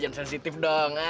jangan sensitif dong